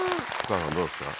どうですか？